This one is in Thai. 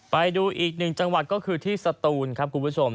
ไปดูอีกหนึ่งจังหวัดก็คือที่สตูนครับคุณผู้ชม